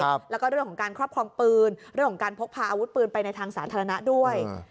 แล้วก็เรื่องของการครอบครองปืนเรื่องของการพกพาอาวุธปืนไปในทางสาธารณะด้วย